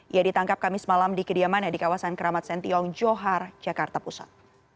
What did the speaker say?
ia ditangkap kamis malam di kediamannya di kawasan keramat sentiong johar jakarta pusat